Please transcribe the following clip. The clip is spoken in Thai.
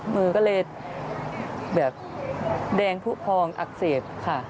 มือก็เลยแบบแดงผู้พองอักเสบค่ะ